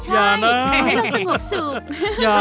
อย่านะ